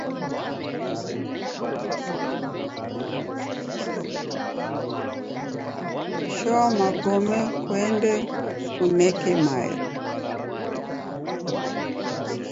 Shoa magome kuende kuneke mayo.